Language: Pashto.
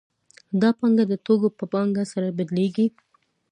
دا پانګه د توکو په پانګه سره بدلېږي